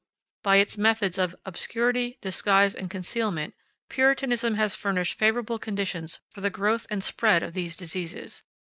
By its methods of obscurity, disguise, and concealment, Puritanism has furnished favorable conditions for the growth and spread of these diseases.